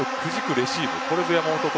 レシーブ